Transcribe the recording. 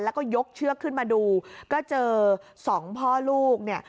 แล้วก็ยกเชือกขึ้นมาดูก็เจอสองพ่อลูกเนี่ย